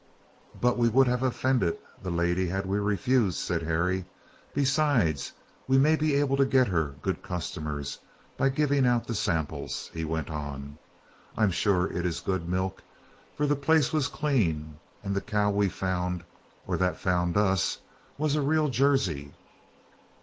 "But we would have offended the lady had we refused," said Harry. "Besides, we may be able to get her good customers by giving out the samples," he went on. "I'm sure it is good milk, for the place was clean, and that cow we found, or that found us, was a real Jersey."